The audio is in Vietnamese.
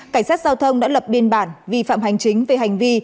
cảnh sát giao thông đã lập biên bản vi phạm hành chính về hành vi